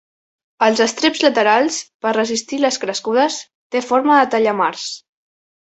Els estreps laterals, per resistir les crescudes, té forma de tallamars.